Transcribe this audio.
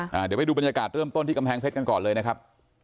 เดี๋ยวไปดูบรรยากาศเริ่มต้นที่กำแพงเพชรกันก่อนเลยนะครับ